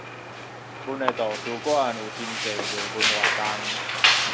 阮的圖書館有真濟藝文活動